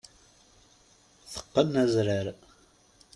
Teqqen azrar.